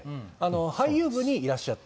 俳優部にいらっしゃって。